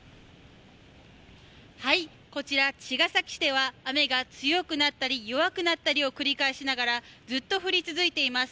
こちら、茅ヶ崎市では雨が強くなったり、弱くなったりをくりかえしながらずっと降り続いています。